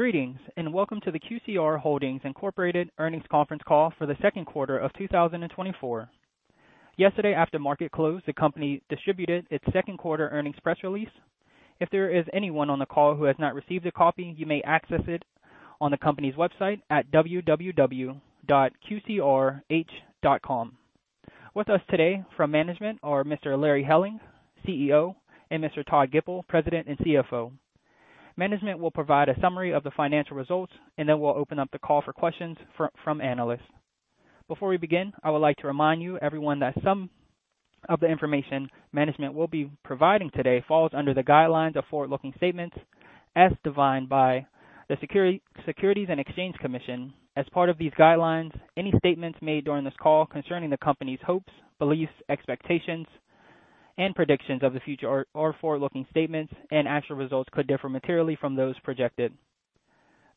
Greetings, and welcome to the QCR Holdings Incorporated earnings conference call for the second quarter of 2024. Yesterday, after market close, the company distributed its second quarter earnings press release. If there is anyone on the call who has not received a copy, you may access it on the company's website at www.qcr.com. With us today from management are Mr. Larry Helling, CEO, and Mr. Todd Gipple, President and CFO. Management will provide a summary of the financial results, and then we'll open up the call for questions from analysts. Before we begin, I would like to remind you, everyone, that some of the information management will be providing today falls under the guidelines of forward-looking statements as defined by the Securities and Exchange Commission. As part of these guidelines, any statements made during this call concerning the company's hopes, beliefs, expectations, and predictions of the future or forward-looking statements and actual results could differ materially from those projected.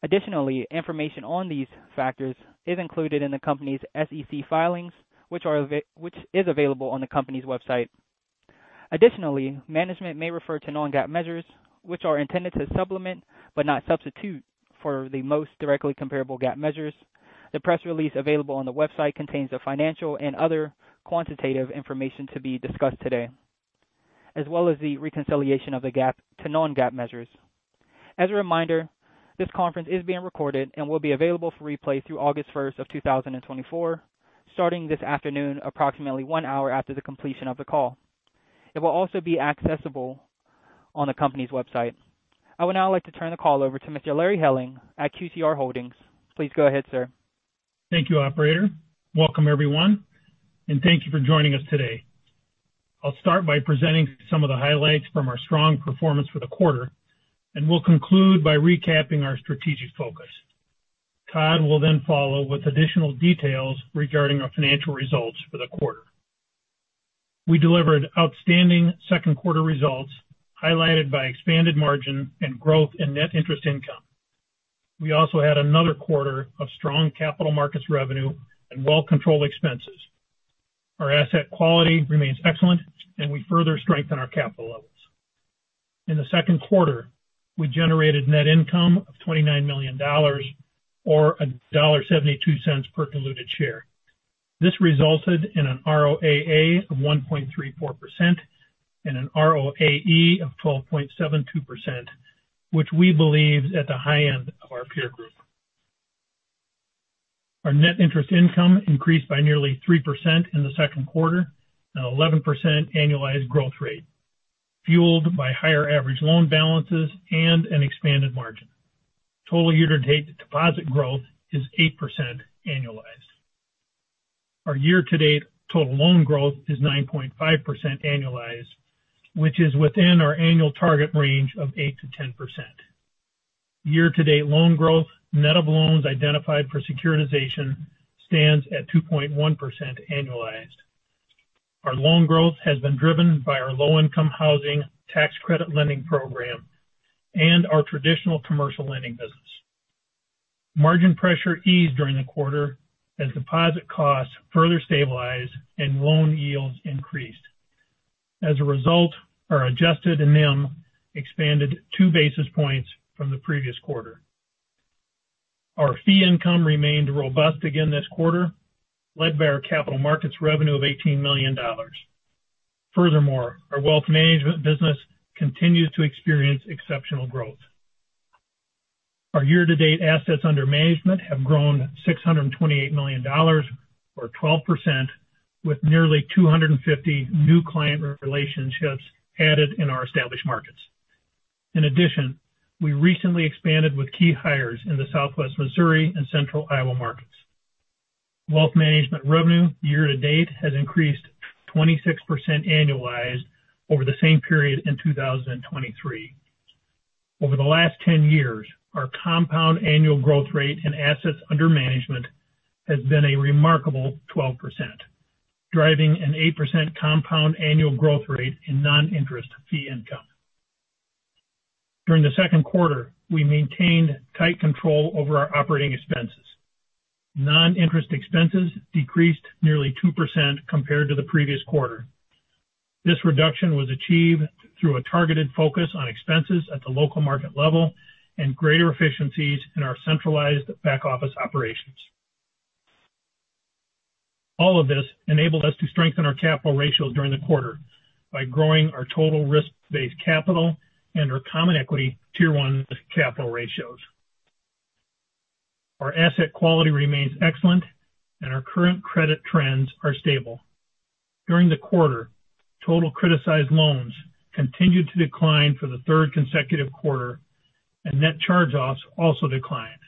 Additionally, information on these factors is included in the company's SEC filings, which is available on the company's website. Additionally, management may refer to non-GAAP measures, which are intended to supplement but not substitute for the most directly comparable GAAP measures. The press release available on the website contains the financial and other quantitative information to be discussed today, as well as the reconciliation of the GAAP to non-GAAP measures. As a reminder, this conference is being recorded and will be available for replay through August 1st of 2024, starting this afternoon, approximately one hour after the completion of the call. It will also be accessible on the company's website. I would now like to turn the call over to Mr. Larry Helling at QCR Holdings. Please go ahead, sir. Thank you, Operator. Welcome, everyone, and thank you for joining us today. I'll start by presenting some of the highlights from our strong performance for the quarter, and we'll conclude by recapping our strategic focus. Todd will then follow with additional details regarding our financial results for the quarter. We delivered outstanding second quarter results, highlighted by expanded margin and growth in net interest income. We also had another quarter of strong capital markets revenue and well-controlled expenses. Our asset quality remains excellent, and we further strengthened our capital levels. In the second quarter, we generated net income of $29 million, or $1.72 per diluted share. This resulted in an ROAA of 1.34% and an ROAE of 12.72%, which we believe is at the high end of our peer group. Our net interest income increased by nearly 3% in the second quarter and an 11% annualized growth rate, fueled by higher average loan balances and an expanded margin. Total year-to-date deposit growth is 8% annualized. Our year-to-date total loan growth is 9.5% annualized, which is within our annual target range of 8%-10%. Year-to-date loan growth, net of loans identified for securitization, stands at 2.1% annualized. Our loan growth has been driven by our low-income housing tax credit lending program and our traditional commercial lending business. Margin pressure eased during the quarter as deposit costs further stabilized and loan yields increased. As a result, our adjusted NIM expanded 2 basis points from the previous quarter. Our fee income remained robust again this quarter, led by our capital markets revenue of $18 million. Furthermore, our wealth management business continues to experience exceptional growth. Our year-to-date assets under management have grown $628 million, or 12%, with nearly 250 new client relationships added in our established markets. In addition, we recently expanded with key hires in the Southwest Missouri and Central Iowa markets. Wealth management revenue year-to-date has increased 26% annualized over the same period in 2023. Over the last 10 years, our compound annual growth rate in assets under management has been a remarkable 12%, driving an 8% compound annual growth rate in non-interest fee income. During the second quarter, we maintained tight control over our operating expenses. Non-interest expenses decreased nearly 2% compared to the previous quarter. This reduction was achieved through a targeted focus on expenses at the local market level and greater efficiencies in our centralized back office operations. All of this enabled us to strengthen our capital ratios during the quarter by growing our total risk-based capital and our Common Equity Tier 1 capital ratios. Our asset quality remains excellent, and our current credit trends are stable. During the quarter, total criticized loans continued to decline for the third consecutive quarter, and net charge-offs also declined.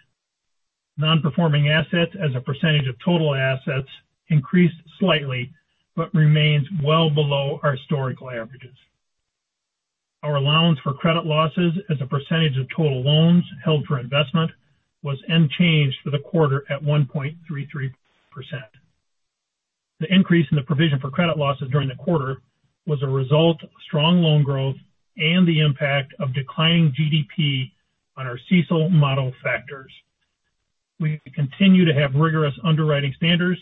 Non-performing assets as a percentage of total assets increased slightly but remains well below our historical averages. Our allowance for credit losses as a percentage of total loans held for investment was unchanged for the quarter at 1.33%. The increase in the provision for credit losses during the quarter was a result of strong loan growth and the impact of declining GDP on our CECL model factors. We continue to have rigorous underwriting standards,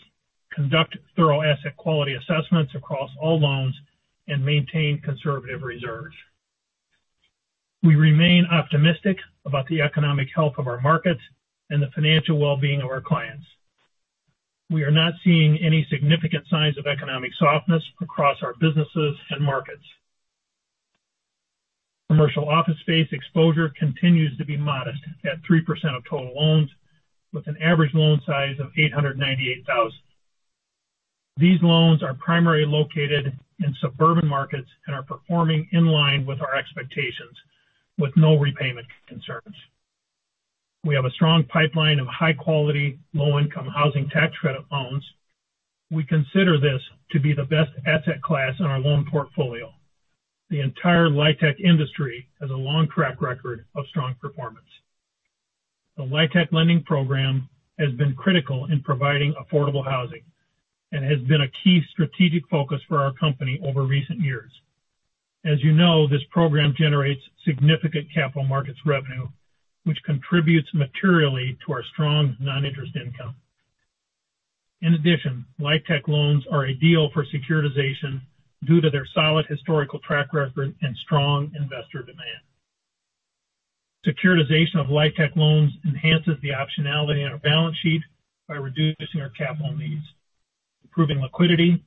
conduct thorough asset quality assessments across all loans, and maintain conservative reserves. We remain optimistic about the economic health of our markets and the financial well-being of our clients. We are not seeing any significant signs of economic softness across our businesses and markets. Commercial office space exposure continues to be modest at 3% of total loans, with an average loan size of $898,000. These loans are primarily located in suburban markets and are performing in line with our expectations, with no repayment concerns. We have a strong pipeline of high-quality, low-income housing tax credit loans. We consider this to be the best asset class in our loan portfolio. The entire LIHTC industry has a long track record of strong performance. The LIHTC lending program has been critical in providing affordable housing and has been a key strategic focus for our company over recent years. As you know, this program generates significant capital markets revenue, which contributes materially to our strong non-interest income. In addition, LIHTC loans are ideal for securitization due to their solid historical track record and strong investor demand. Securitization of LIHTC loans enhances the optionality on our balance sheet by reducing our capital needs, improving liquidity,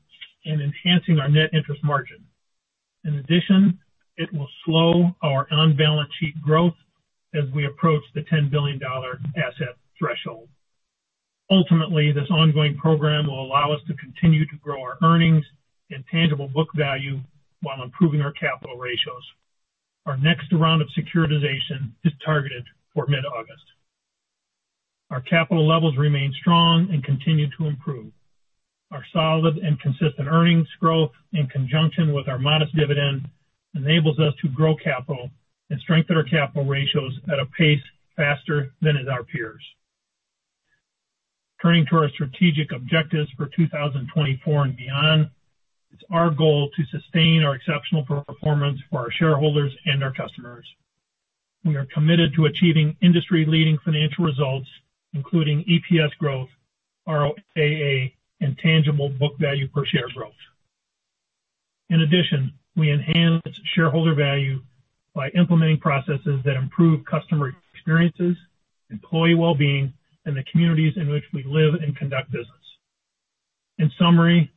and enhancing our net interest margin. In addition, it will slow our balance sheet growth as we approach the $10 billion asset threshold. Ultimately, this ongoing program will allow us to continue to grow our earnings and tangible book value while improving our capital ratios. Our next round of securitization is targeted for mid-August. Our capital levels remain strong and continue to improve. Our solid and consistent earnings growth, in conjunction with our modest dividend, enables us to grow capital and strengthen our capital ratios at a pace faster than our peers. Turning to our strategic objectives for 2024 and beyond, it's our goal to sustain our exceptional performance for our shareholders and our customers. We are committed to achieving industry-leading financial results, including EPS growth, ROAA, and tangible book value per share growth. In addition, we enhance shareholder value by implementing processes that improve customer experiences, employee well-being, and the communities in which we live and conduct business. In summary,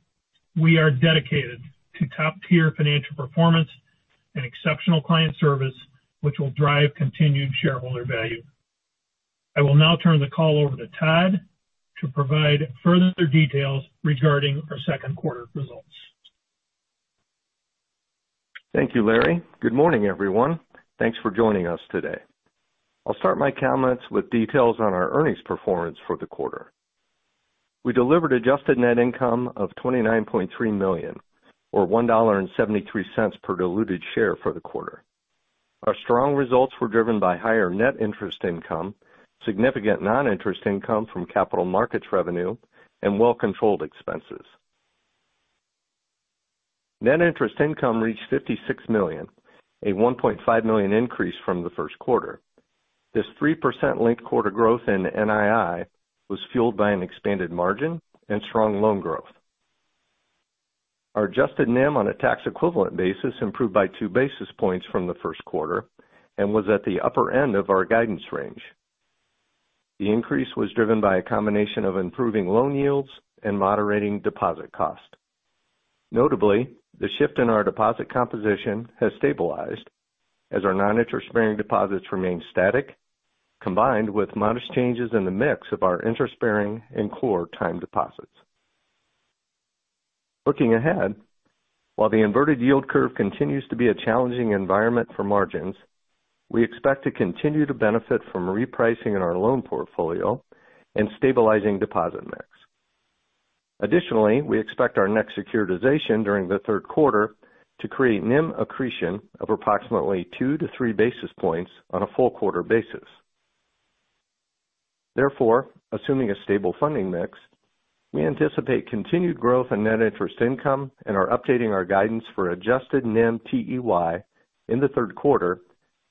we are dedicated to top-tier financial performance and exceptional client service, which will drive continued shareholder value. I will now turn the call over to Todd to provide further details regarding our second quarter results. Thank you, Larry. Good morning, everyone. Thanks for joining us today. I'll start my comments with details on our earnings performance for the quarter. We delivered adjusted net income of $29.3 million, or $1.73 per diluted share for the quarter. Our strong results were driven by higher net interest income, significant non-interest income from capital markets revenue, and well-controlled expenses. Net interest income reached $56 million, a $1.5 million increase from the first quarter. This 3% linked quarter growth in NII was fueled by an expanded margin and strong loan growth. Our adjusted NIM on a tax equivalent basis improved by two basis points from the first quarter and was at the upper end of our guidance range. The increase was driven by a combination of improving loan yields and moderating deposit cost. Notably, the shift in our deposit composition has stabilized as our non-interest-bearing deposits remain static, combined with modest changes in the mix of our interest-bearing and core time deposits. Looking ahead, while the inverted yield curve continues to be a challenging environment for margins, we expect to continue to benefit from repricing in our loan portfolio and stabilizing deposit mix. Additionally, we expect our next securitization during the third quarter to create NIM accretion of approximately 2-3 basis points on a full quarter basis. Therefore, assuming a stable funding mix, we anticipate continued growth in net interest income and are updating our guidance for adjusted NIM TEY in the third quarter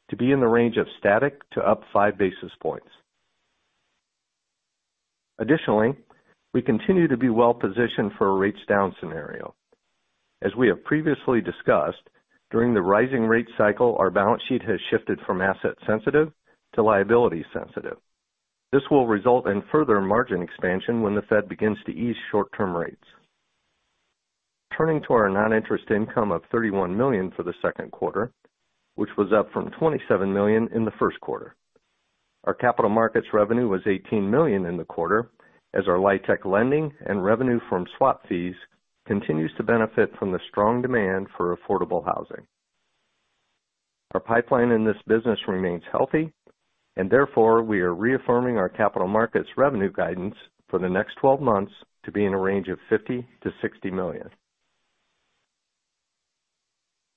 to be in the range of static to up 5 basis points. Additionally, we continue to be well-positioned for a rates down scenario. As we have previously discussed, during the rising rate cycle, our balance sheet has shifted from asset-sensitive to liability-sensitive. This will result in further margin expansion when the Fed begins to ease short-term rates. Turning to our non-interest income of $31 million for the second quarter, which was up from $27 million in the first quarter. Our capital markets revenue was $18 million in the quarter as our LIHTC lending and revenue from swap fees continues to benefit from the strong demand for affordable housing. Our pipeline in this business remains healthy, and therefore we are reaffirming our capital markets revenue guidance for the next 12 months to be in a range of $50 million-$60 million.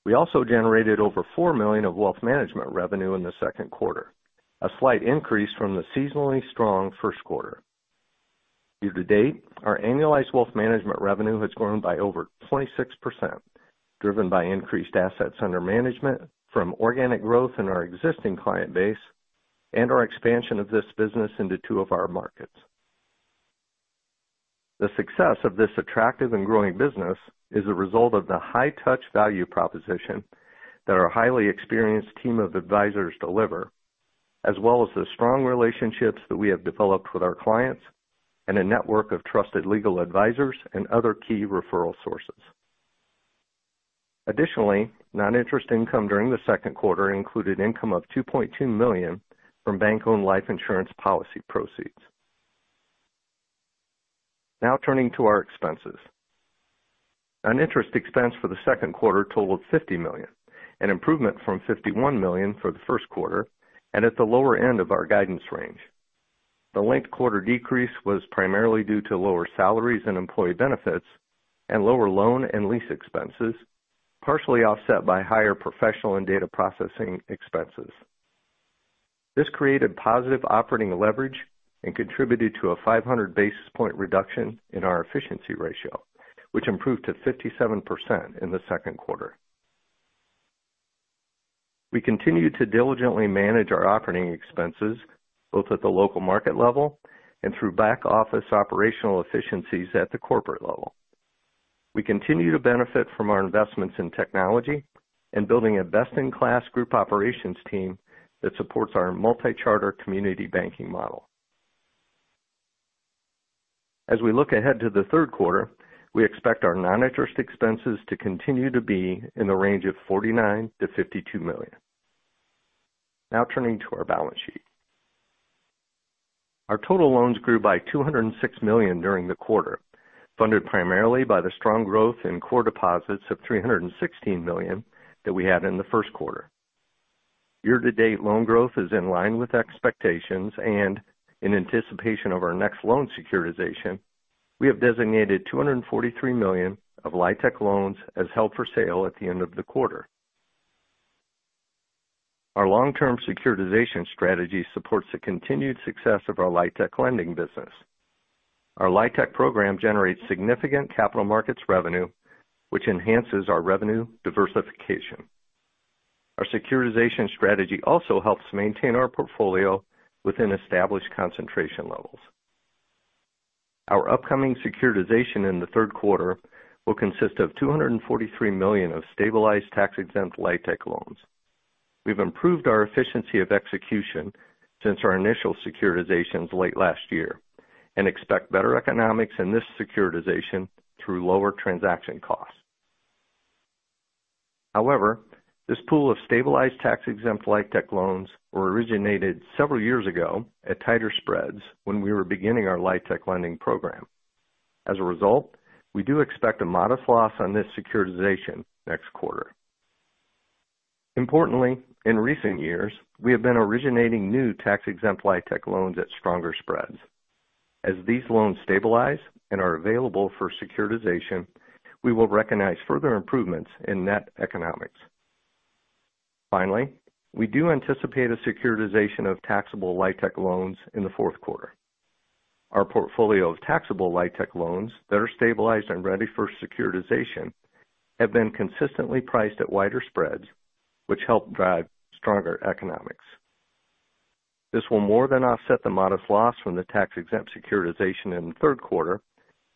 We also generated over $4 million of wealth management revenue in the second quarter, a slight increase from the seasonally strong first quarter. Year-to-date, our annualized wealth management revenue has grown by over 26%, driven by increased assets under management from organic growth in our existing client base and our expansion of this business into two of our markets. The success of this attractive and growing business is a result of the high-touch value proposition that our highly experienced team of advisors deliver, as well as the strong relationships that we have developed with our clients and a network of trusted legal advisors and other key referral sources. Additionally, non-interest income during the second quarter included income of $2.2 million from bank-owned life insurance policy proceeds. Now turning to our expenses. Non-interest expense for the second quarter totaled $50 million, an improvement from $51 million for the first quarter and at the lower end of our guidance range. The linked quarter decrease was primarily due to lower salaries and employee benefits and lower loan and lease expenses, partially offset by higher professional and data processing expenses. This created positive operating leverage and contributed to a 500 basis point reduction in our efficiency ratio, which improved to 57% in the second quarter. We continue to diligently manage our operating expenses both at the local market level and through back office operational efficiencies at the corporate level. We continue to benefit from our investments in technology and building a best-in-class group operations team that supports our multi-charter community banking model. As we look ahead to the third quarter, we expect our non-interest expenses to continue to be in the range of $49 million-$52 million. Now turning to our balance sheet. Our total loans grew by $206 million during the quarter, funded primarily by the strong growth in core deposits of $316 million that we had in the first quarter. Year-to-date loan growth is in line with expectations and, in anticipation of our next loan securitization, we have designated $243 million of LIHTC loans as held for sale at the end of the quarter. Our long-term securitization strategy supports the continued success of our LIHTC lending business. Our LIHTC program generates significant capital markets revenue, which enhances our revenue diversification. Our securitization strategy also helps maintain our portfolio within established concentration levels. Our upcoming securitization in the third quarter will consist of $243 million of stabilized tax-exempt LIHTC loans. We've improved our efficiency of execution since our initial securitizations late last year and expect better economics in this securitization through lower transaction costs. However, this pool of stabilized tax-exempt LIHTC loans originated several years ago at tighter spreads when we were beginning our LIHTC lending program. As a result, we do expect a modest loss on this securitization next quarter. Importantly, in recent years, we have been originating new tax-exempt LIHTC loans at stronger spreads. As these loans stabilize and are available for securitization, we will recognize further improvements in net economics. Finally, we do anticipate a securitization of taxable LIHTC loans in the fourth quarter. Our portfolio of taxable LIHTC loans that are stabilized and ready for securitization have been consistently priced at wider spreads, which help drive stronger economics. This will more than offset the modest loss from the tax-exempt securitization in the third quarter,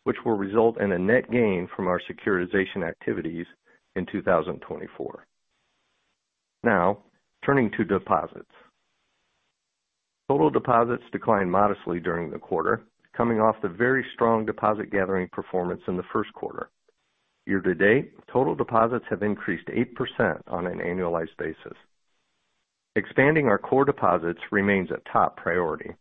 which will result in a net gain from our securitization activities in 2024. Now turning to deposits. Total deposits declined modestly during the quarter, coming off the very strong deposit gathering performance in the first quarter. Year-to-date, total deposits have increased 8% on an annualized basis. Expanding our core deposits remains a top priority.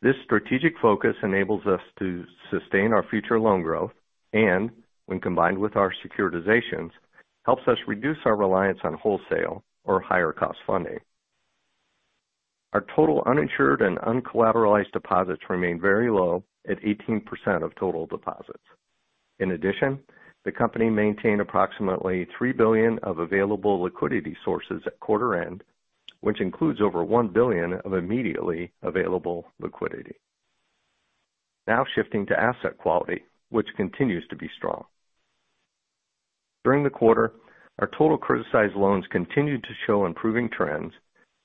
This strategic focus enables us to sustain our future loan growth and, when combined with our securitizations, helps us reduce our reliance on wholesale or higher-cost funding. Our total uninsured and uncollateralized deposits remain very low at 18% of total deposits. In addition, the company maintained approximately $3 billion of available liquidity sources at quarter end, which includes over $1 billion of immediately available liquidity. Now shifting to asset quality, which continues to be strong. During the quarter, our total criticized loans continued to show improving trends,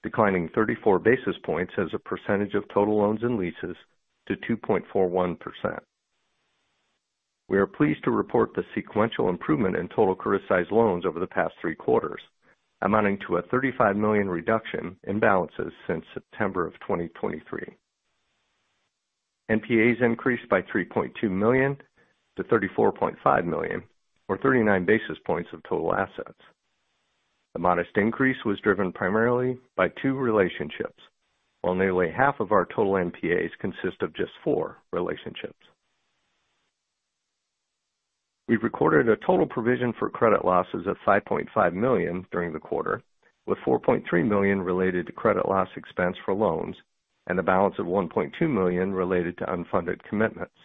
declining 34 basis points as a percentage of total loans and leases to 2.41%. We are pleased to report the sequential improvement in total criticized loans over the past three quarters, amounting to a $35 million reduction in balances since September of 2023. NPAs increased by $3.2 million to $34.5 million, or 39 basis points of total assets. The modest increase was driven primarily by two relationships, while nearly half of our total NPAs consist of just four relationships. We recorded a total provision for credit losses of $5.5 million during the quarter, with $4.3 million related to credit loss expense for loans and a balance of $1.2 million related to unfunded commitments.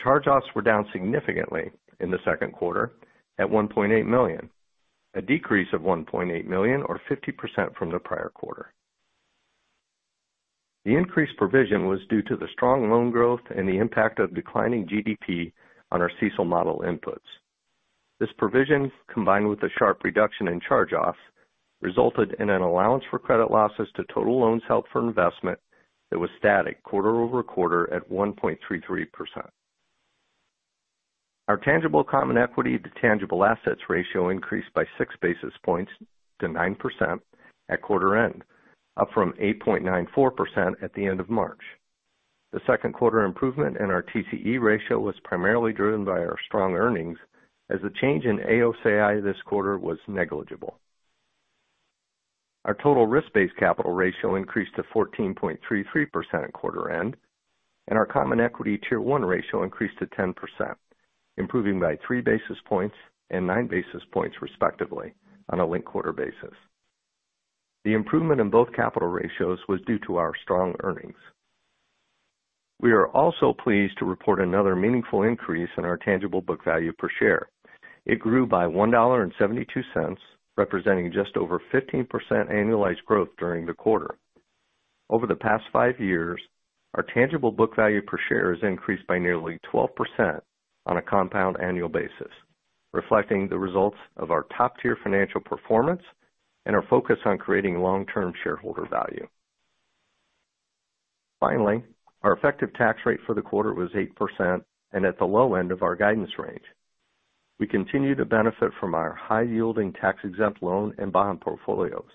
Charge-offs were down significantly in the second quarter at $1.8 million, a decrease of $1.8 million, or 50% from the prior quarter. The increased provision was due to the strong loan growth and the impact of declining GDP on our CECL model inputs. This provision, combined with a sharp reduction in charge-offs, resulted in an allowance for credit losses to total loans held for investment that was static quarter-over-quarter at 1.33%. Our Tangible Common Equity to Tangible Assets ratio increased by six basis points to 9% at quarter end, up from 8.94% at the end of March. The second quarter improvement in our TCE ratio was primarily driven by our strong earnings as the change in AOCI this quarter was negligible. Our total risk-based capital ratio increased to 14.33% at quarter end, and our Common Equity Tier 1 ratio increased to 10%, improving by three basis points and nine basis points respectively on a linked-quarter basis. The improvement in both capital ratios was due to our strong earnings. We are also pleased to report another meaningful increase in our Tangible Book Value per share. It grew by $1.72, representing just over 15% annualized growth during the quarter. Over the past five years, our tangible book value per share has increased by nearly 12% on a compound annual basis, reflecting the results of our top-tier financial performance and our focus on creating long-term shareholder value. Finally, our effective tax rate for the quarter was 8% and at the low end of our guidance range. We continue to benefit from our high-yielding tax-exempt loan and bond portfolios.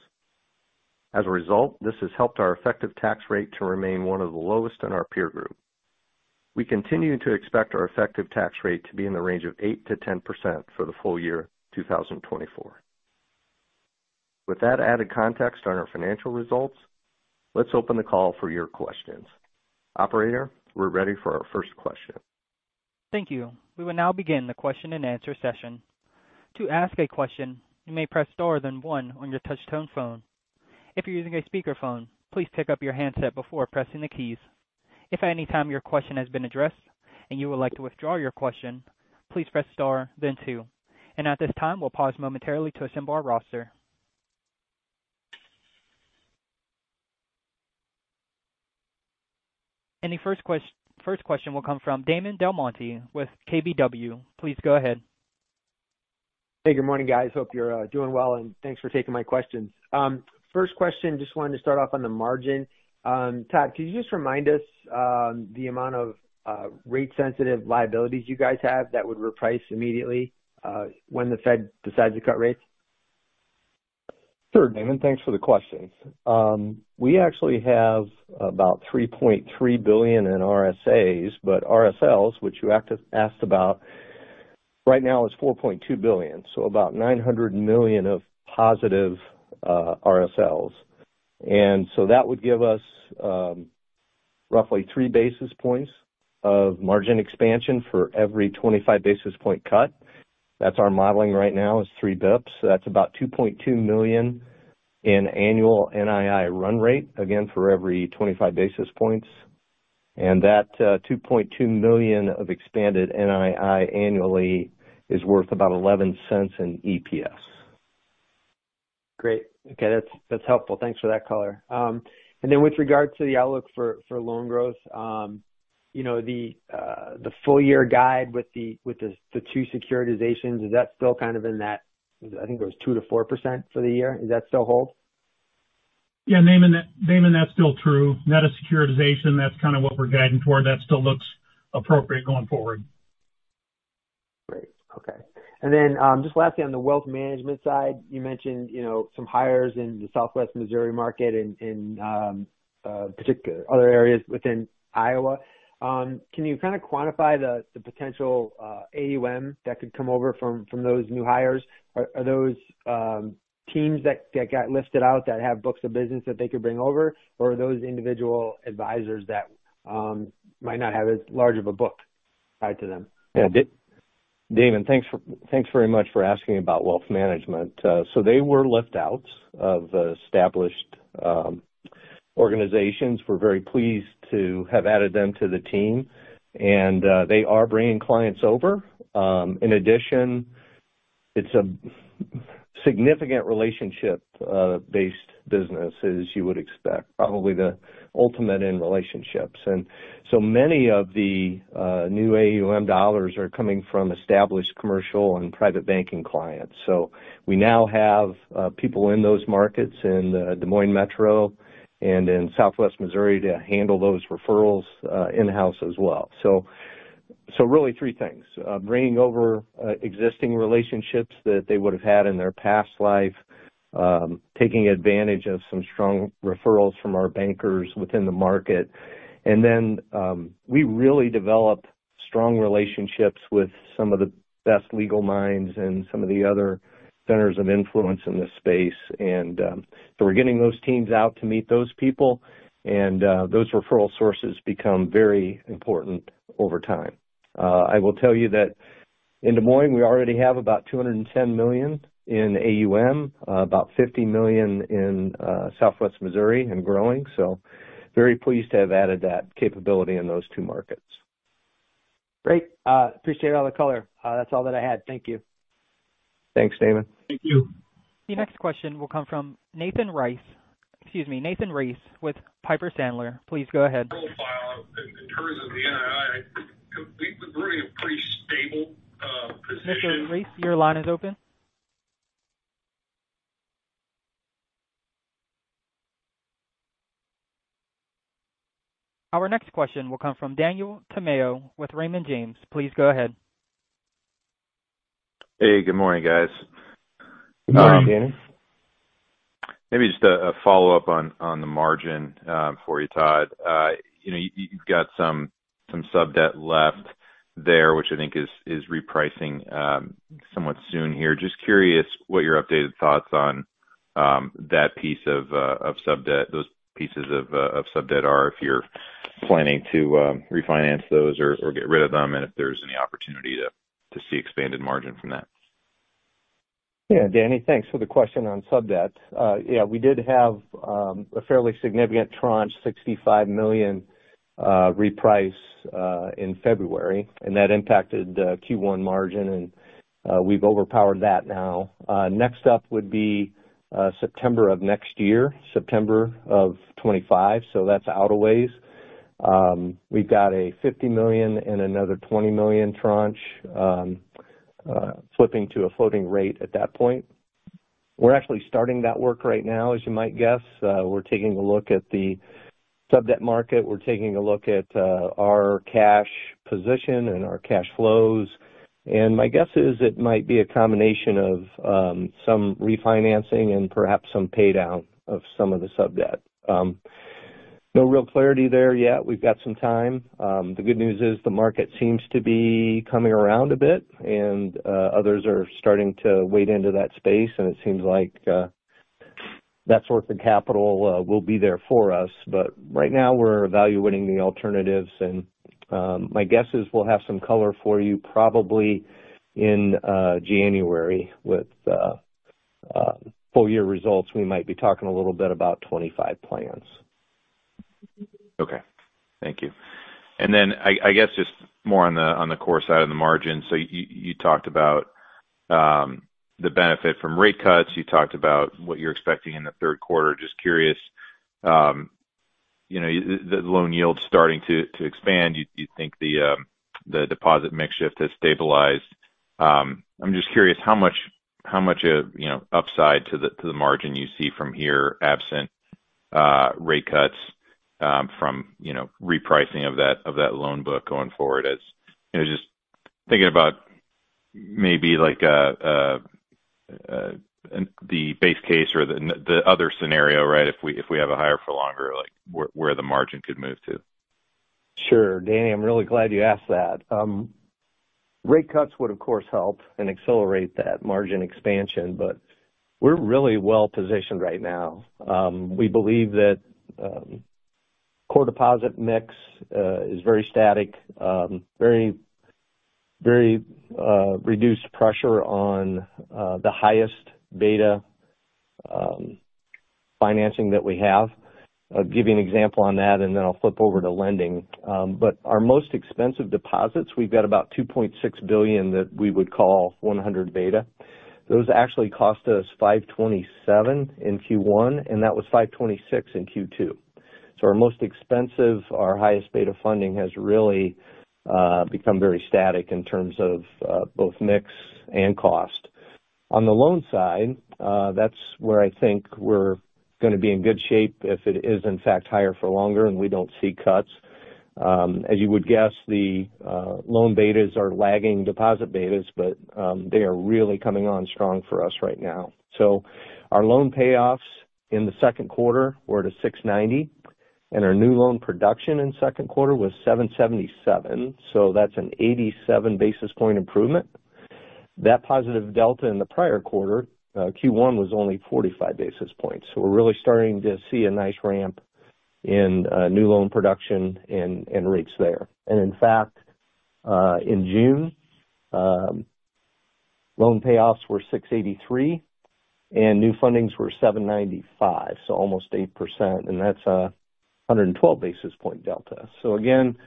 As a result, this has helped our effective tax rate to remain one of the lowest in our peer group. We continue to expect our effective tax rate to be in the range of 8%-10% for the full year 2024. With that added context on our financial results, let's open the call for your questions. Operator, we're ready for our first question. Thank you. We will now begin the question and answer session. To ask a question, you may press star then one on your touch-tone phone. If you're using a speakerphone, please pick up your handset before pressing the keys. If at any time your question has been addressed and you would like to withdraw your question, please press star then two. At this time, we'll pause momentarily to assemble our roster. The first question will come from Damon DelMonte with KBW. Please go ahead. Hey, good morning, guys. Hope you're doing well, and thanks for taking my questions. First question, just wanted to start off on the margin. Todd, could you just remind us the amount of rate-sensitive liabilities you guys have that would reprice immediately when the Fed decides to cut rates? Sure, Damon. Thanks for the question. We actually have about $3.3 billion in RSAs, but RSLs, which you asked about, right now is $4.2 billion, so about $900 million of positive RSLs. And so that would give us roughly 3 basis points of margin expansion for every 25 basis point cut. That's our modeling right now is 3 basis points. That's about $2.2 million in annual NII run rate, again, for every 25 basis points. And that $2.2 million of expanded NII annually is worth about $0.11 in EPS. Great. Okay, that's helpful. Thanks for that, color. And then with regard to the outlook for loan growth, the full-year guide with the two securitizations, is that still kind of in that, I think it was 2%-4% for the year? Is that still hold? Yeah, Damon, that's still true. Net of securitization, that's kind of what we're guiding toward. That still looks appropriate going forward. Great. Okay. And then just lastly, on the wealth management side, you mentioned some hires in the Southwest Missouri market and particularly other areas within Iowa. Can you kind of quantify the potential AUM that could come over from those new hires? Are those teams that got listed out that have books of business that they could bring over, or are those individual advisors that might not have as large of a book tied to them? Yeah. Damon, thanks very much for asking about wealth management. So they were left out of established organizations. We're very pleased to have added them to the team, and they are bringing clients over. In addition, it's a significant relationship-based business, as you would expect, probably the ultimate in relationships. And so many of the new AUM dollars are coming from established commercial and private banking clients. So we now have people in those markets in Des Moines Metro and in Southwest Missouri to handle those referrals in-house as well. So really three things: bringing over existing relationships that they would have had in their past life, taking advantage of some strong referrals from our bankers within the market. And then we really develop strong relationships with some of the best legal minds and some of the other centers of influence in this space. And so we're getting those teams out to meet those people, and those referral sources become very important over time. I will tell you that in Des Moines, we already have about $210 million in AUM, about $50 million in Southwest Missouri, and growing. So very pleased to have added that capability in those two markets. Great. Appreciate all the color. That's all that I had. Thank you. Thanks, Damon. Thank you. The next question will come from Nathan Race with Piper Sandler. Please go ahead. [inaudible] Mr. Race, your line is open. Our next question will come from Daniel Tamayo with Raymond James. Please go ahead. Hey, good morning, guys. Good morning, Daniel. Maybe just a follow-up on the margin for you, Todd. You've got some sub-debt left there, which I think is repricing somewhat soon here. Just curious what your updated thoughts on that piece of sub-debt, those pieces of sub-debt are, if you're planning to refinance those or get rid of them, and if there's any opportunity to see expanded margin from that. Yeah, Danny, thanks for the question on sub-debt. Yeah, we did have a fairly significant tranche, $65 million reprice in February, and that impacted Q1 margin, and we've overpowered that now. Next up would be September of next year, September of 2025, so that's out of ways. We've got a $50 million and another $20 million tranche flipping to a floating rate at that point. We're actually starting that work right now, as you might guess. We're taking a look at the sub-debt market. We're taking a look at our cash position and our cash flows. And my guess is it might be a combination of some refinancing and perhaps some paydown of some of the sub-debt. No real clarity there yet. We've got some time. The good news is the market seems to be coming around a bit, and others are starting to wade into that space, and it seems like that sort of capital will be there for us. But right now, we're evaluating the alternatives, and my guess is we'll have some color for you probably in January with full-year results. We might be talking a little bit about 2025 plans. Okay. Thank you. And then I guess just more on the core side of the margin. So you talked about the benefit from rate cuts. You talked about what you're expecting in the third quarter. Just curious, the loan yields starting to expand. You think the deposit beta has stabilized. I'm just curious how much upside to the margin you see from here absent rate cuts from repricing of that loan book going forward, as just thinking about maybe the base case or the other scenario, right, if we have a higher for longer, where the margin could move to. Sure. Daniel, I'm really glad you asked that. Rate cuts would, of course, help and accelerate that margin expansion, but we're really well-positioned right now. We believe that core deposit mix is very static, very reduced pressure on the highest beta financing that we have. I'll give you an example on that, and then I'll flip over to lending. But our most expensive deposits, we've got about $2.6 billion that we would call 100 beta. Those actually cost us 5.27% in Q1, and that was 5.26% in Q2. So our most expensive, our highest beta funding has really become very static in terms of both mix and cost. On the loan side, that's where I think we're going to be in good shape if it is, in fact, higher for longer and we don't see cuts. As you would guess, the loan betas are lagging deposit betas, but they are really coming on strong for us right now. So our loan payoffs in the second quarter were to 6.90% and our new loan production in second quarter was 7.77%. So that's an 87 basis point improvement. That positive delta in the prior quarter, Q1 was only 45 basis points. So we're really starting to see a nice ramp in new loan production and rates there. And in fact, in June, loan payoffs were 6.83% and new fundings were 7.95%, so almost 8%, and that's a 112 basis point delta. So again,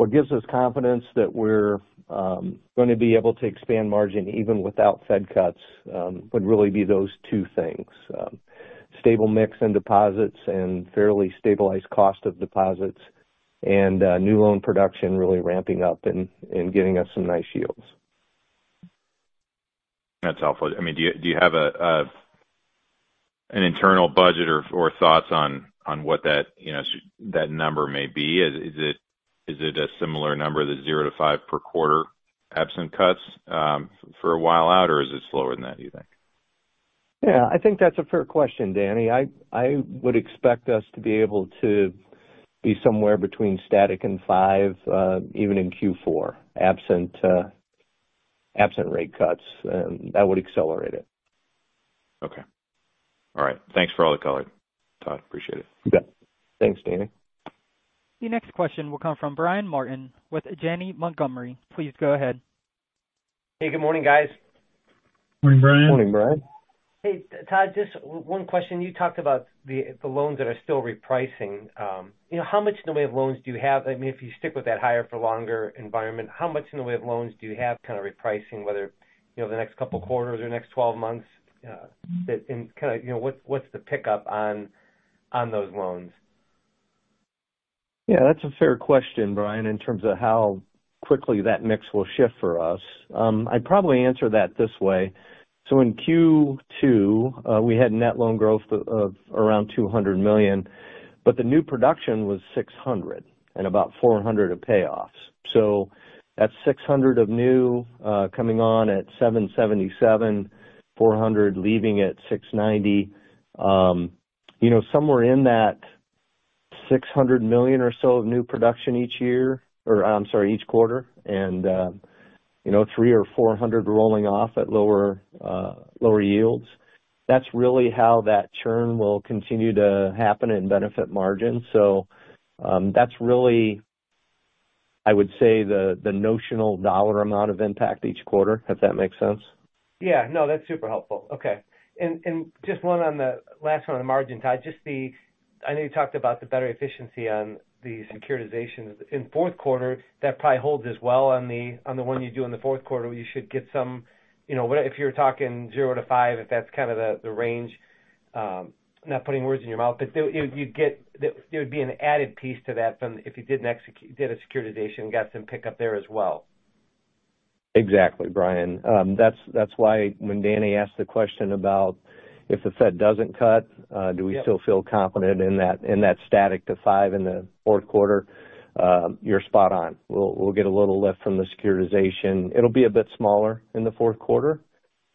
what gives us confidence that we're going to be able to expand margin even without Fed cuts would really be those two things: stable mix and deposits and fairly stabilized cost of deposits, and new loan production really ramping up and getting us some nice yields. That's helpful. I mean, do you have an internal budget or thoughts on what that number may be? Is it a similar number, the zero to five per quarter absent cuts for a while out, or is it slower than that, do you think? Yeah, I think that's a fair question, Danny. I would expect us to be able to be somewhere between static and five, even in Q4, absent rate cuts. That would accelerate it. Okay. All right. Thanks for all the color, Todd. Appreciate it. Thanks, Daniel. The next question will come from Brian Martin with Janney Montgomery. Please go ahead. Hey, good morning, guys. Morning, Brian. Morning, Brian. Hey, Todd, just one question. You talked about the loans that are still repricing. How much in the way of loans do you have? I mean, if you stick with that higher for longer environment, how much in the way of loans do you have kind of repricing, whether the next couple of quarters or next 12 months? And kind of what's the pickup on those loans? Yeah, that's a fair question, Brian, in terms of how quickly that mix will shift for us. I'd probably answer that this way. So in Q2, we had net loan growth of around $200 million, but the new production was $600 and about $400 of payoffs. So that's $600 of new coming on at 7.77, $400 leaving at 6.90. Somewhere in that $600 million or so of new production each year, or I'm sorry, each quarter, and $300 or $400 rolling off at lower yields. That's really how that churn will continue to happen and benefit margins. So that's really, I would say, the notional dollar amount of impact each quarter, if that makes sense. Yeah. No, that's super helpful. Okay. And just one on the last one on the margin, Todd. I know you talked about the better efficiency on the securitization. In fourth quarter, that probably holds as well. On the one you do in the fourth quarter, you should get some if you're talking zero to five, if that's kind of the range, not putting words in your mouth, but there would be an added piece to that if you did a securitization and got some pickup there as well. Exactly, Brian. That's why when Danny asked the question about if the Fed doesn't cut, do we still feel confident in that static to five in the fourth quarter? You're spot on. We'll get a little lift from the securitization. It'll be a bit smaller in the fourth quarter.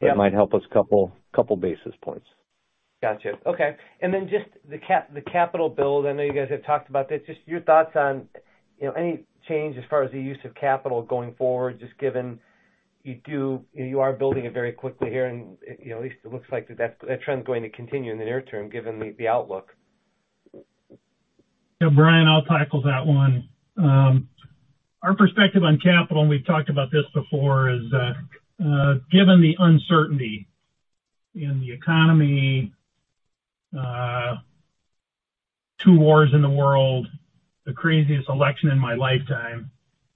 It might help us a couple of basis points. Gotcha. Okay. Then just the capital build, I know you guys have talked about this. Just your thoughts on any change as far as the use of capital going forward, just given you are building it very quickly here, and at least it looks like that trend's going to continue in the near term given the outlook. Yeah, Brian, I'll tackle that one. Our perspective on capital, and we've talked about this before, is given the uncertainty in the economy, two wars in the world, the craziest election in my lifetime,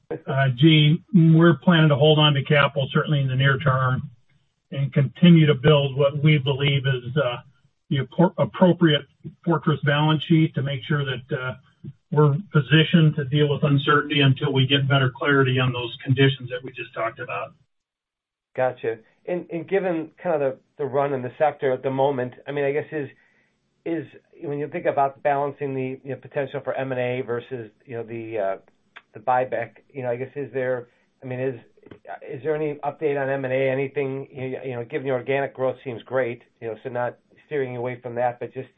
we're planning to hold on to capital, certainly in the near term, and continue to build what we believe is the appropriate fortress balance sheet to make sure that we're positioned to deal with uncertainty until we get better clarity on those conditions that we just talked about. Gotcha. And given kind of the run in the sector at the moment, I mean, I guess when you think about balancing the potential for M&A versus the buyback, I guess is there—I mean, is there any update on M&A? Anything? Given your organic growth seems great, so not steering you away from that, but just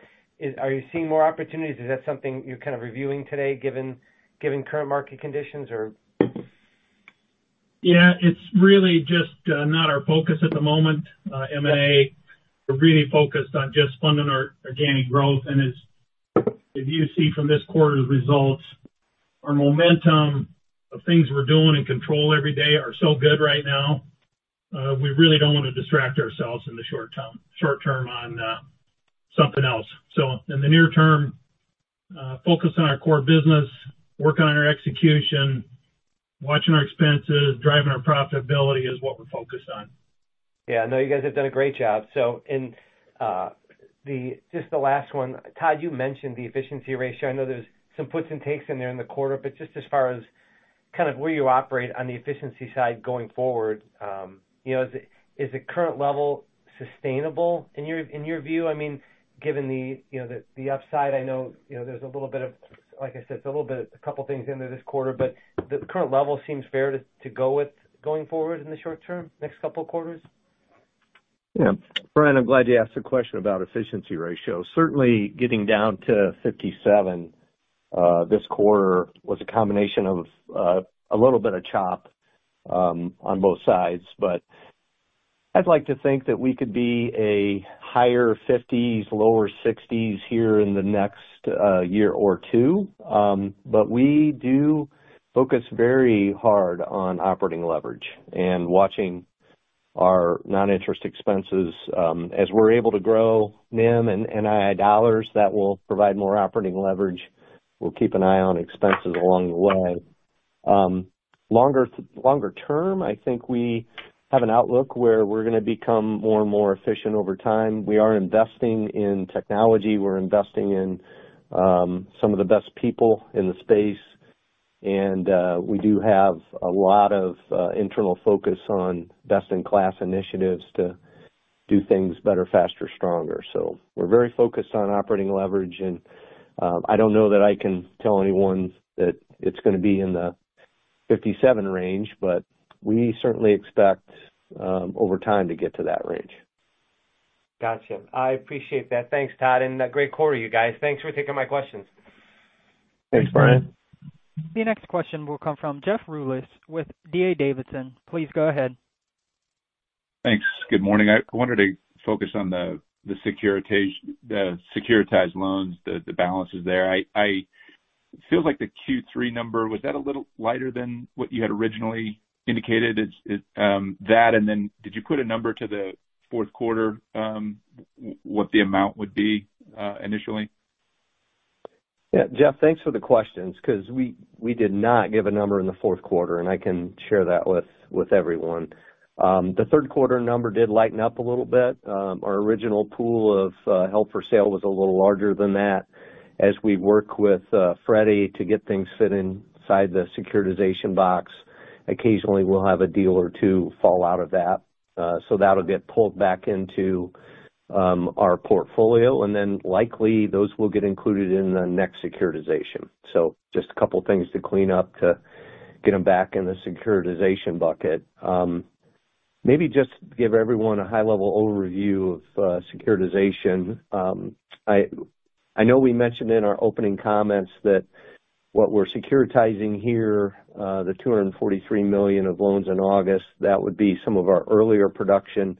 are you seeing more opportunities? Is that something you're kind of reviewing today given current market conditions, or? Yeah, it's really just not our focus at the moment. M&A, we're really focused on just funding our organic growth. And as you see from this quarter's results, our momentum of things we're doing and control every day are so good right now, we really don't want to distract ourselves in the short term on something else. So in the near term, focus on our core business, working on our execution, watching our expenses, driving our profitability is what we're focused on. Yeah. No, you guys have done a great job. So just the last one, Todd, you mentioned the efficiency ratio. I know there's some puts and takes in there in the quarter, but just as far as kind of where you operate on the efficiency side going forward, is the current level sustainable in your view? I mean, given the upside, I know there's a little bit of, like I said, it's a little bit of a couple of things into this quarter, but the current level seems fair to go with going forward in the short term, next couple of quarters. Yeah. Brian, I'm glad you asked the question about efficiency ratio. Certainly, getting down to 57% this quarter was a combination of a little bit of chop on both sides, but I'd like to think that we could be a higher 50s, lower 60s here in the next year or two. But we do focus very hard on operating leverage and watching our non-interest expenses. As we're able to grow NIM and NII dollars, that will provide more operating leverage. We'll keep an eye on expenses along the way. Longer term, I think we have an outlook where we're going to become more and more efficient over time. We are investing in technology. We're investing in some of the best people in the space. And we do have a lot of internal focus on best-in-class initiatives to do things better, faster, stronger. So we're very focused on operating leverage. And I don't know that I can tell anyone that it's going to be in the $57 range, but we certainly expect over time to get to that range. Gotcha. I appreciate that. Thanks, Todd. And great quarter, you guys. Thanks for taking my questions. Thanks, Brian. The next question will come from Jeff Rulis with D.A. Davidson. Please go ahead. Thanks. Good morning. I wanted to focus on the securitized loans, the balances there. I feel like the Q3 number, was that a little lighter than what you had originally indicated? That, and then did you put a number to the fourth quarter, what the amount would be initially? Yeah. Jeff, thanks for the questions because we did not give a number in the fourth quarter, and I can share that with everyone. The third quarter number did lighten up a little bit. Our original pool of held for sale was a little larger than that. As we work with Freddie to get things to fit inside the securitization box, occasionally we'll have a deal or two fall out of that. So that'll get pulled back into our portfolio. And then likely those will get included in the next securitization. So just a couple of things to clean up to get them back in the securitization bucket. Maybe just give everyone a high-level overview of securitization. I know we mentioned in our opening comments that what we're securitizing here, the $243 million of loans in August, that would be some of our earlier production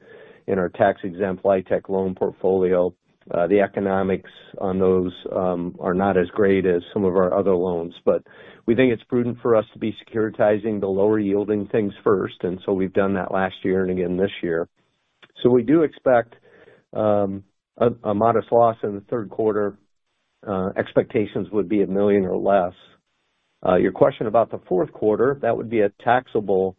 in our tax-exempt LIHTC loan portfolio. The economics on those are not as great as some of our other loans. But we think it's prudent for us to be securitizing the lower-yielding things first. And so we've done that last year and again this year. So we do expect a modest loss in the third quarter. Expectations would be $1 million or less. Your question about the fourth quarter, that would be a taxable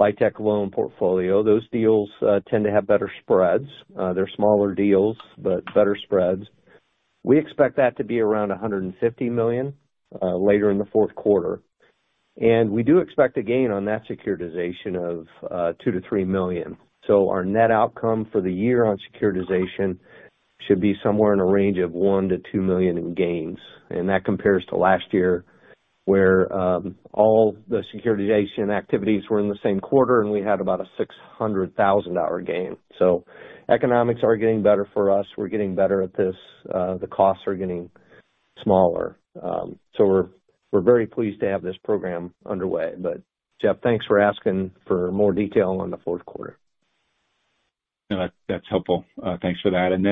LIHTC loan portfolio. Those deals tend to have better spreads. They're smaller deals, but better spreads. We expect that to be around $150 million later in the fourth quarter. And we do expect a gain on that securitization of $2 million-$3 million. So our net outcome for the year on securitization should be somewhere in a range of $1 million-$2 million in gains. And that compares to last year where all the securitization activities were in the same quarter, and we had about a $600,000 gain. So economics are getting better for us. We're getting better at this. The costs are getting smaller. So we're very pleased to have this program underway. But Jeff, thanks for asking for more detail on the fourth quarter. No, that's helpful. Thanks for that. And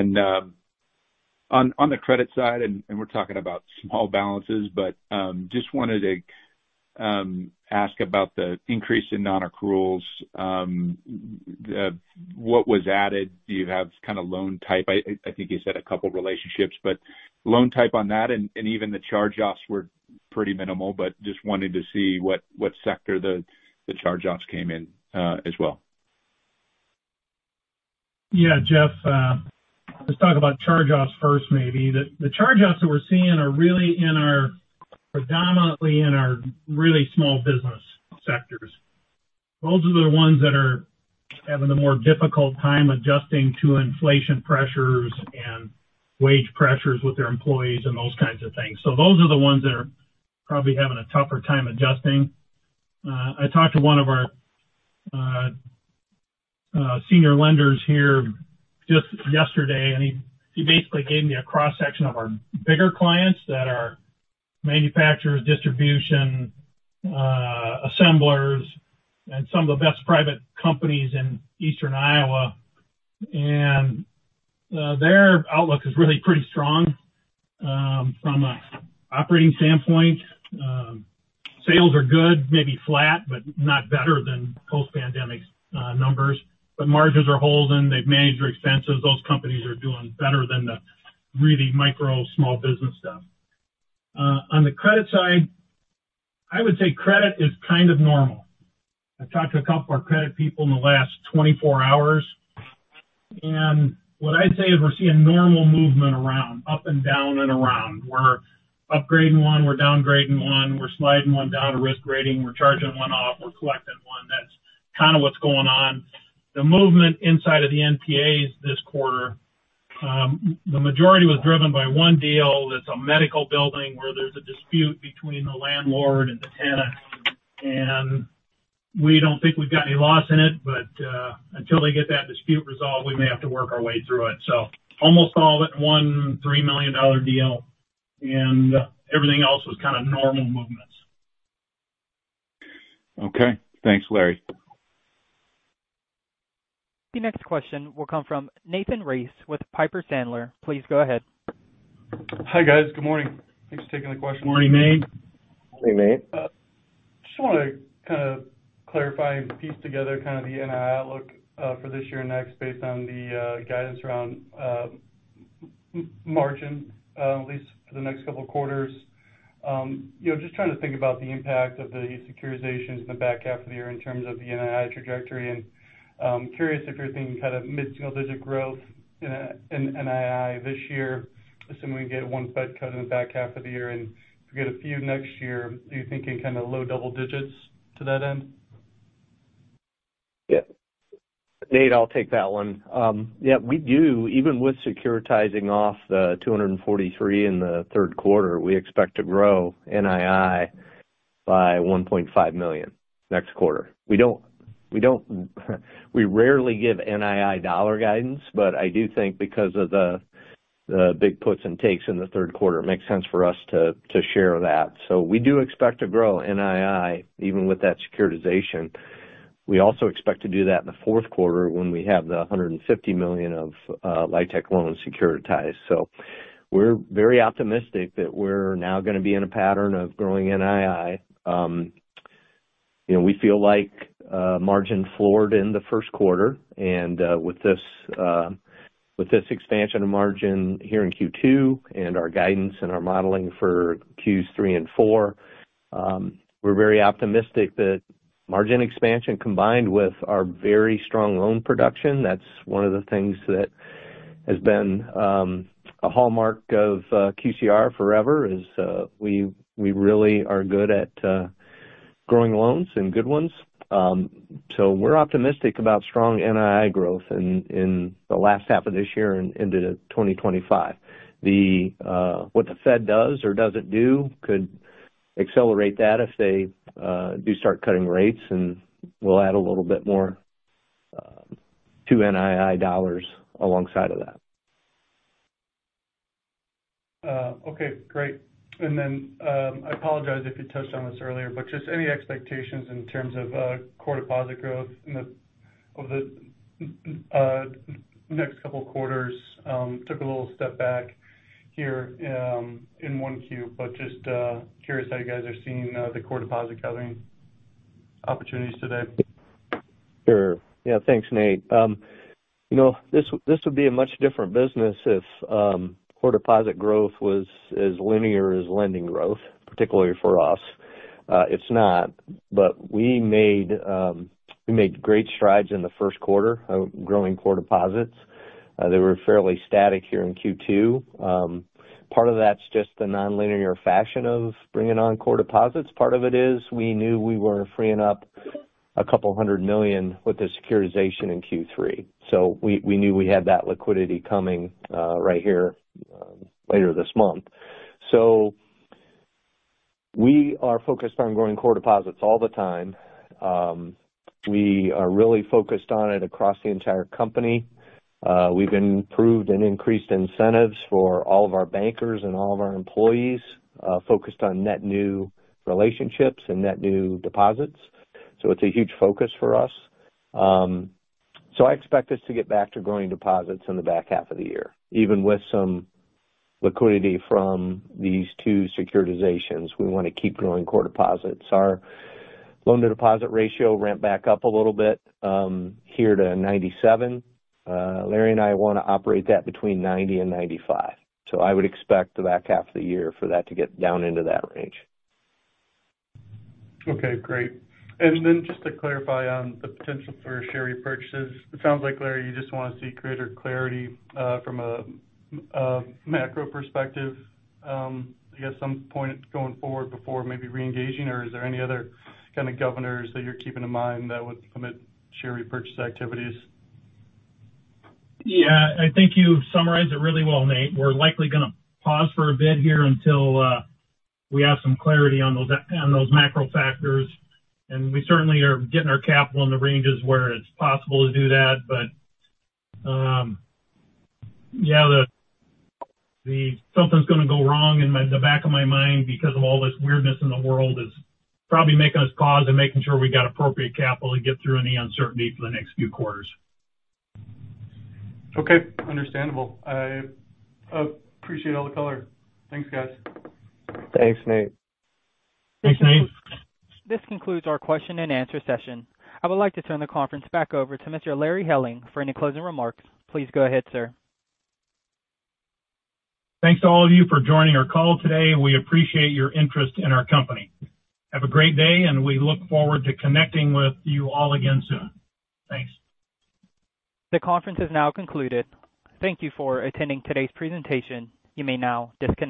then on the credit side, and we're talking about small balances, but just wanted to ask about the increase in non-accruals. What was added? Do you have kind of loan type? I think you said a couple of relationships, but loan type on that, and even the charge-offs were pretty minimal, but just wanted to see what sector the charge-offs came in as well. Yeah, Jeff, let's talk about charge-offs first, maybe. The charge-offs that we're seeing are really predominantly in our really small business sectors. Those are the ones that are having the more difficult time adjusting to inflation pressures and wage pressures with their employees and those kinds of things. So those are the ones that are probably having a tougher time adjusting. I talked to one of our senior lenders here just yesterday, and he basically gave me a cross-section of our bigger clients that are manufacturers, distribution, assemblers, and some of the best private companies in Eastern Iowa. Their outlook is really pretty strong from an operating standpoint. Sales are good, maybe flat, but not better than post-pandemic numbers. But margins are holding. They've managed their expenses. Those companies are doing better than the really micro small business stuff. On the credit side, I would say credit is kind of normal. I talked to a couple of our credit people in the last 24 hours. And what I'd say is we're seeing normal movement around, up and down and around. We're upgrading one. We're downgrading one. We're sliding one down to risk rating. We're charging one off. We're collecting one. That's kind of what's going on. The movement inside of the NPAs this quarter, the majority was driven by one deal. It's a medical building where there's a dispute between the landlord and the tenant. And we don't think we've got any loss in it, but until they get that dispute resolved, we may have to work our way through it. So almost all of it in one $3 million deal. And everything else was kind of normal movements. Okay. Thanks, Larry. The next question will come from Nathan Race with Piper Sandler. Please go ahead. Hi guys. Good morning. Thanks for taking the question. Morning, Nate. Morning, Nate. Just want to kind of clarify and piece together kind of the NII outlook for this year and next based on the guidance around margin, at least for the next couple of quarters. Just trying to think about the impact of the securitizations in the back half of the year in terms of the NII trajectory. Curious if you're thinking kind of mid-single digit growth in NII this year, assuming we get one Fed cut in the back half of the year and we get a few next year, are you thinking kind of low double digits to that end? Yep. Nate, I'll take that one. Yeah, we do, even with securitizing off the $243 in the third quarter, we expect to grow NII by $1.5 million next quarter. We rarely give NII dollar guidance, but I do think because of the big puts and takes in the third quarter, it makes sense for us to share that. So we do expect to grow NII even with that securitization. We also expect to do that in the fourth quarter when we have the $150 million of LIHTC loans securitized. So we're very optimistic that we're now going to be in a pattern of growing NII. We feel like margin floored in the first quarter. With this expansion of margin here in Q2 and our guidance and our modeling for Q3 and Q4, we're very optimistic that margin expansion combined with our very strong loan production, that's one of the things that has been a hallmark of QCR forever, is we really are good at growing loans and good ones. We're optimistic about strong NII growth in the last half of this year and into 2025. What the Fed does or doesn't do could accelerate that if they do start cutting rates, and we'll add a little bit more to NII dollars alongside of that. Okay. Great. Then I apologize if you touched on this earlier, but just any expectations in terms of core deposit growth over the next couple of quarters. Took a little step back here in Q1, but just curious how you guys are seeing the core deposit gathering opportunities today. Sure. Yeah. Thanks, Nate. This would be a much different business if core deposit growth was as linear as lending growth, particularly for us. It's not, but we made great strides in the first quarter growing core deposits. They were fairly static here in Q2. Part of that's just the non-linear fashion of bringing on core deposits. Part of it is we knew we were freeing up a couple hundred million with the securitization in Q3. So we knew we had that liquidity coming right here later this month. So we are focused on growing core deposits all the time. We are really focused on it across the entire company. We've improved and increased incentives for all of our bankers and all of our employees, focused on net new relationships and net new deposits. So it's a huge focus for us. So I expect us to get back to growing deposits in the back half of the year. Even with some liquidity from these two securitizations, we want to keep growing core deposits. Our loan-to-deposit ratio ramped back up a little bit here to 97. Larry and I want to operate that between 90 and 95. So I would expect the back half of the year for that to get down into that range. Okay. Great. And then just to clarify on the potential for share repurchases, it sounds like, Larry, you just want to see greater clarity from a macro perspective, I guess, some point going forward before maybe re-engaging. Or is there any other kind of governors that you're keeping in mind that would limit share repurchase activities? Yeah. I think you summarized it really well, Nate. We're likely going to pause for a bit here until we have some clarity on those macro factors. And we certainly are getting our capital in the ranges where it's possible to do that. But yeah, something's going to go wrong in the back of my mind because of all this weirdness in the world is probably making us pause and making sure we got appropriate capital to get through any uncertainty for the next few quarters. Okay. Understandable. I appreciate all the color. Thanks, guys. Thanks, Nate. Thanks, Nate. This concludes our question and answer session. I would like to turn the conference back over to Mr. Larry Helling for any closing remarks. Please go ahead, sir. Thanks to all of you for joining our call today. We appreciate your interest in our company. Have a great day, and we look forward to connecting with you all again soon. Thanks. The conference has now concluded. Thank you for attending today's presentation. You may now disconnect.